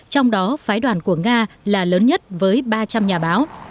trong đó phái đoàn của nga là lớn nhất với ba trăm linh nhà báo